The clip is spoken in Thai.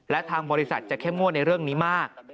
และทางบริษัทจะเข้มงวดในเรื่องนี้มาก